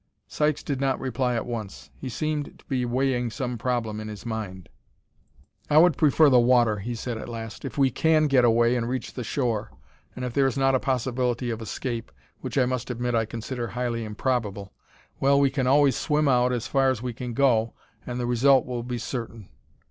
Sykes did not reply at once; he seemed to be weighing some problem in his mind. "I would prefer the water," he said at last. "If we can get away and reach the shore, and if there is not a possibility of escape which I must admit I consider highly improbable well, we can always swim out as far as we can go, and the result will be certain.